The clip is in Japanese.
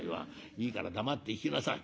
いいから黙って聞きなさい。